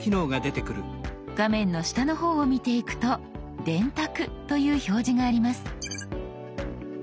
画面の下の方を見ていくと「電卓」という表示があります。